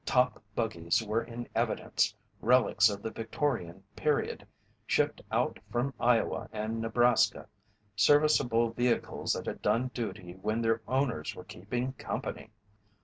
Top buggies were in evidence, relics of the Victorian period, shipped out from Iowa and Nebraska serviceable vehicles that had done duty when their owners were "keeping company."